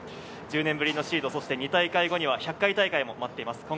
１０年ぶりのシード、大会後には１００回大会が待っています。